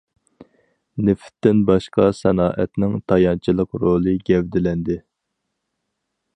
نېفىتتىن باشقا سانائەتنىڭ تايانچلىق رولى گەۋدىلەندى.